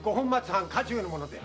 藩家中の者である。